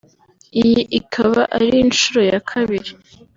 Iyi ikaba ari inshuro ya kabiri